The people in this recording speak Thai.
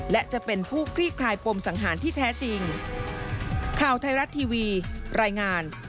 และจะเป็นผู้คลี่คลายปมสังหารที่แท้จริง